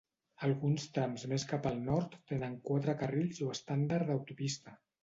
Alguns trams més cap al nord tenen quatre carrils o estàndard d'autopista.